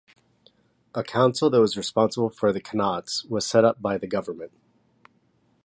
A council that was responsible for the qanats was set up by the government.